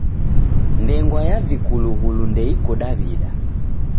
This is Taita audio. Ndengwa ya vikulughulu ndeiko Daw'ida.